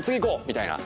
みたいな。